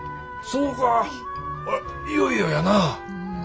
そうかいよいよやな。